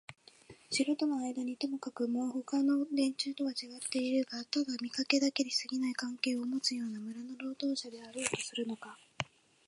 城とのあいだにともかくもほかの連中とはちがってはいるがただ見かけだけにすぎない関係をもつような村の労働者であろうとするのか、